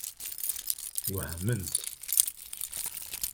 Wehment.